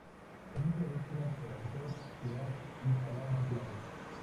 Permite la búsqueda por autor, ciudad y palabra clave.